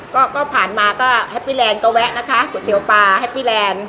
ก็ก็ผ่านมาก็แฮปปี้แลนด์ก็แวะนะคะก๋วยเตี๋ยวปลาแฮปปี้แลนด์